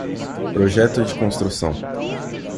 Projeto de construção